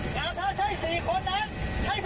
เดินปลดถอดเสื้อแล้วบวกมือให้พี่หน่อย